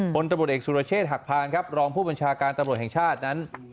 ตำรวจเอกสุรเชษฐ์หักพานครับรองผู้บัญชาการตำรวจแห่งชาตินั้น